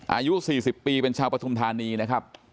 อายุ๔๐ปีเป็นชาวปฐุมธานีนะครับ